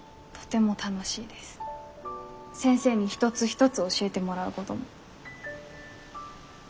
先生に一つ一つ教えてもらうごども。